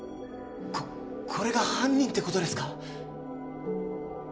こっこれが犯人ってことですか？